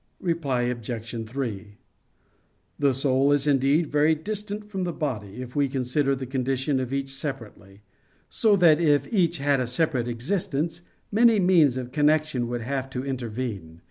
Reply Obj. 3: The soul is indeed very distant from the body, if we consider the condition of each separately: so that if each had a separate existence, many means of connection would have to intervene.